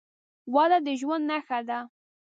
وده د ژوند نښه ده.